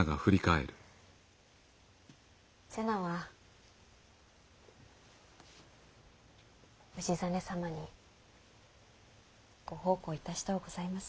瀬名は氏真様にご奉公いたしとうございます。